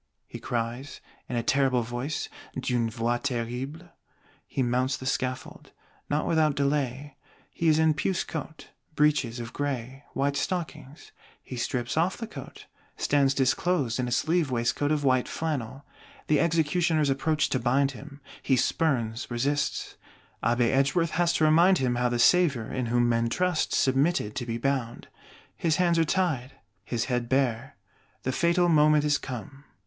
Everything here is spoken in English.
he cries "in a terrible voice (d'une voix terrible)." He mounts the scaffold, not without delay; he is in puce coat, breeches of gray, white stockings. He strips off the coat; stands disclosed in a sleeve waistcoat of white flannel. The Executioners approach to bind him: he spurns, resists; Abbé Edgeworth has to remind him how the Savior, in whom men trust, submitted to be bound. His hands are tied, his head bare; the fatal moment is come.